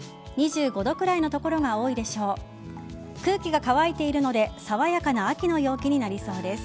空気が乾いているので爽やかな秋の陽気になりそうです。